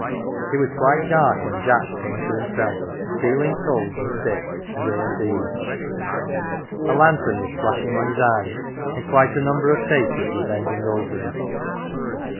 It was quite dark when Jack came to himself, feeling cold and stiff and ill at ease. A lantern was flashing in his eyes, and quite a number of faces were bending over him.